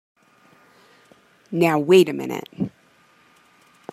Now wait a minute!